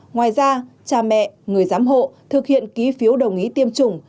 ngoài ra cha mẹ người giám hộ thực hiện ký phiếu đồng ý tiêm chủng